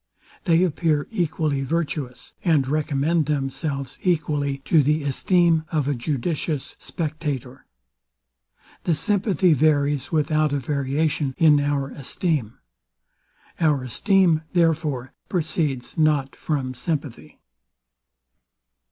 They appear equally virtuous, and recommend themselves equally to the esteem of a judicious spectator. The sympathy varies without a variation in our esteem. Our esteem, therefore, proceeds not from sympathy.